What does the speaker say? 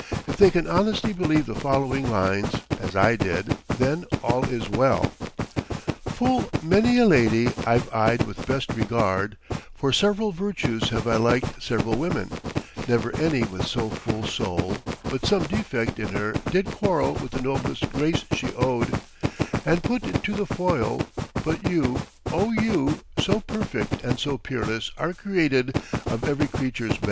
If they can honestly believe the following lines, as I did, then all is well: "Full many a lady I've eyed with best regard: for several virtues Have I liked several women, never any With so full soul, but some defect in her Did quarrel with the noblest grace she owed, And put it to the foil; but you, O you, So perfect and so peerless are created Of every creature's best."